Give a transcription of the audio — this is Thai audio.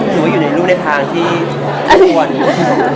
หรือว่าอยู่ในรูปในทางที่ส่วน